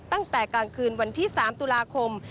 ตั้งแต่กลางคืนวันที่๓ตุลาคม